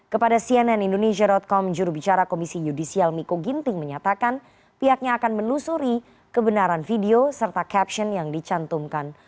kepada cnn indonesia com jurubicara komisi yudisial miko ginting menyatakan pihaknya akan menelusuri kebenaran video serta caption yang dicantumkan